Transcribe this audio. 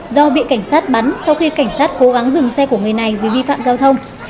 do bị cảnh sát bắn sau khi cảnh sát cố gắng dừng xe của người này vì vi phạm giao thông